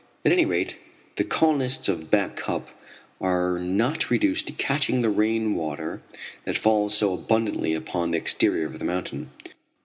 At any rate the colonists of Back Cup are not reduced to catching the rain water that falls so abundantly upon the exterior of the mountain.